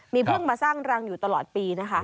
มีพึ่งมาสร้างรังอยู่ตลอดปีนะคะ